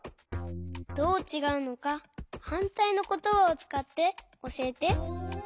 どうちがうのかはんたいのことばをつかっておしえて。